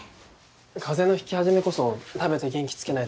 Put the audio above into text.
風邪の引き始めこそ食べて元気つけないと。